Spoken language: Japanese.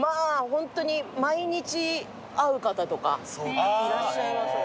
ホントに毎日会う方とかいらっしゃいますもんね。